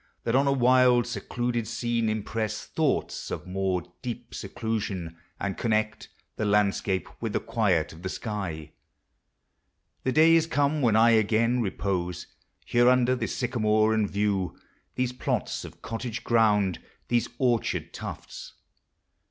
That on a wild, secluded scene impress Thoughts of more deep seclusion, and conned The landscape with the quid of the sky. The day is come when I again repose Here, under this sycamore, and view These plots of cottage ground, these orchard tufts